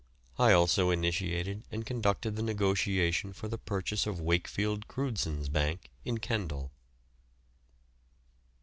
I also initiated and conducted the negotiation for the purchase of Wakefield Crewdsons Bank in Kendal.